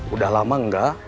udah lama gak